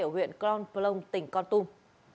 ở huyện cron plong tỉnh con tung